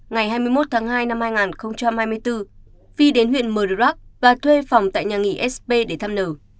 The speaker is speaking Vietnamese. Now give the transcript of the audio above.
ngày hai mươi một tháng hai năm hai nghìn hai mươi bốn phi đến huyện mờ đơ rắc và thuê phòng tại nhà nghỉ sp để thăm nờ